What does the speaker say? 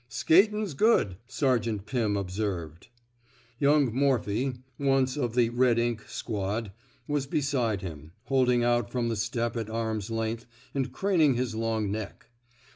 " Skatin's good,'^ Sergeant Pirn observed. Young Morphy — once of the Eed Ink '' squad — was beside him, holding out from the step at arm^s length, and craning his long neck.